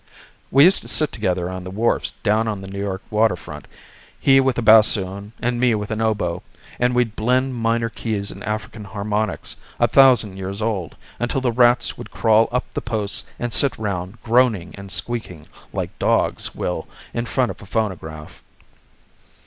We used to sit together on the wharfs down on the New York water front, he with a bassoon and me with an oboe, and we'd blend minor keys in African harmonics a thousand years old until the rats would crawl up the posts and sit round groaning and squeaking like dogs will in front of a phonograph."